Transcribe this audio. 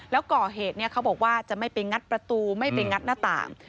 แล้วก่อเหตุเขาบอกว่าจะไม่ไปงัดประตูไม่ไปงัดหน้าต่าง